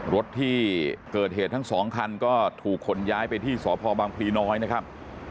รถที่เกิดเหตุทั้งสองคันก็ถูกขนย้ายไปที่สพบังพลีน้อยนะครับ